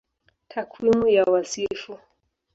Takwimu ya Wasifu